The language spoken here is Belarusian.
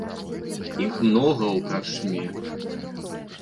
Іх многа ў карчме.